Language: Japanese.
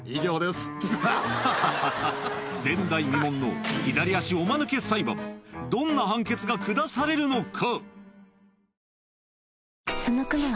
前代未聞の左足おマヌケ裁判どんな判決が下されるのか？